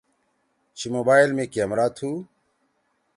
چھی مُوبائل می کیمرا تُھو؟